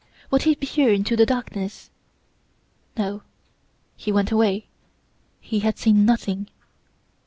Would he peer into the darkness? No; he went away. He had seen nothing.